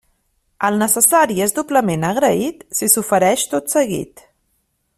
El necessari és doblement agraït si s’ofereix tot seguit.